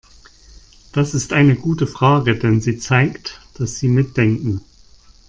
Das ist eine gute Frage, denn sie zeigt, dass Sie mitdenken.